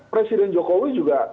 presiden jokowi juga